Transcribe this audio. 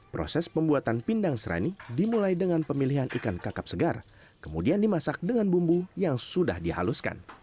proses pembuatan pindang serani dimulai dengan pemilihan ikan kakap segar kemudian dimasak dengan bumbu yang sudah dihaluskan